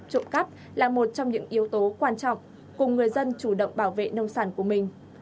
trộm cắp là một trong những yếu tố quan trọng cùng người dân chủ động bảo vệ nông sản của mình